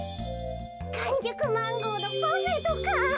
かんじゅくマンゴーのパフェとか。